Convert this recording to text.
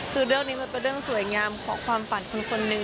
คือเรื่องนี้มันเป็นเรื่องสวยงามของความฝันคนนึง